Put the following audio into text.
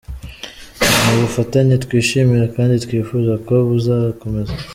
Ni ubufatanye twishimira kandi twifuza ko buzakomeza.